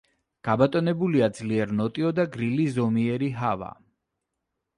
გაბატონებულია ძლიერ ნოტიო და გრილი ზომიერი ჰავა.